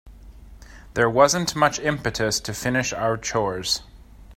There wasn't much impetus to finish our chores.